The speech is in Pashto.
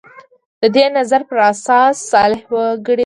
د دې نظریې پر اساس صالح وګړي راووځي.